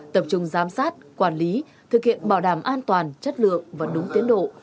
tập trung giám sát quản lý thực hiện bảo đảm an toàn chất lượng và đúng tiến độ